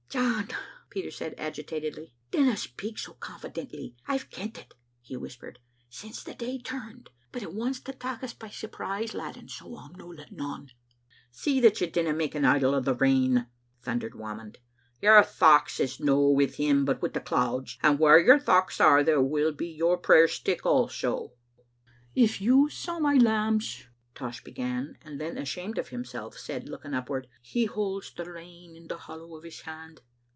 "John," Peter said agitatedly, "dinna speak so con fidently. I've kent it," he whispered, "since the day turned; but it wants to tak' us by surprise, lad, and so I'm no letting on." "See that you dinna make an idol o' the rain," thun dered Whamond. "Your thochts is no wi' Him, but wi' the clouds; and whaur your thochts are, there will your prayers stick also." "If you saw my lambs," Tosh began; and then, ashamed of himself, said, looking upward, " He holds the rain in the hollow of His hand."